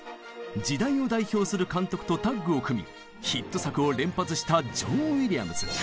時代を代表する監督とタッグを組みヒット作を連発したジョン・ウィリアムズ。